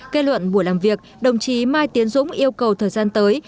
kết luận buổi làm việc đồng chí mai tiến dũng yêu cầu thời gian tới